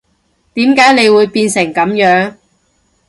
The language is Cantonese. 點解你會變成噉樣